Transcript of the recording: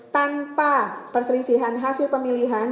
tanpa perselisihan hasil pemilihan